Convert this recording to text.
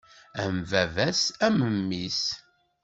Am baba-s, am memmi-s.